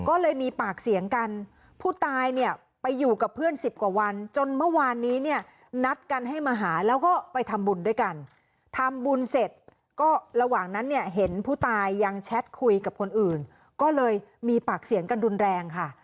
ก็เลยมีปากเสียงกันผู้ตายเนี่ยไปอยู่กับเพื่อนสิบกว่าวันจนเมื่อวานนี้เนี่ยนัดกันให้มาหาแล้วก็ไปทำบุญด้วยกันทำบุญเสร็จก็ระหว่างนั้นเนี่ยเห็นผู้ตายยังแชทคุยกับคนอื่นก็เลยมีปากเสียงกันรุนแรงค่ะ